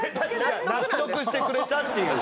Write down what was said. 納得してくれたっていう。